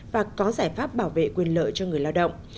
và có giải pháp bảo vệ quyền lợi cho người lao động